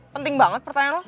penting banget pertanyaan lo